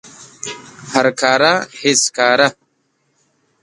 هر کاره هیڅ کاره